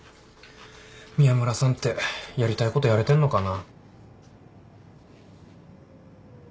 宮村さんってやりたいことやれてるのかな。